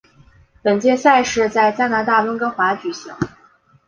本届赛事在加拿大温哥华举行。